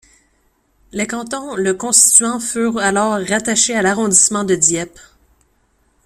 Les cantons le constituant furent alors rattachés à l'arrondissement de Dieppe.